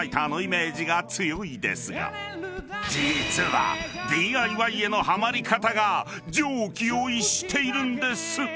［実はＤＩＹへのハマり方が常軌を逸しているんです］